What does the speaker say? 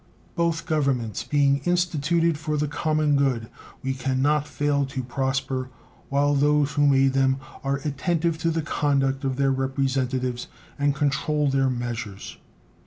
Both Governments being instituted for the common good, we can not fail to prosper while those who made them are attentive to the conduct of their representatives and control their measures.